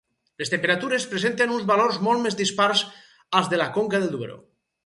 Les temperatures presenten uns valors molt més dispars als de la conca del Duero.